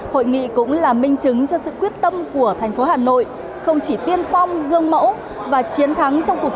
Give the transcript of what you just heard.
hội nghị cũng là minh chứng cho sự quyết tâm của thành phố hà nội không chỉ tiên phong gương mẫu và chiến thắng trong cuộc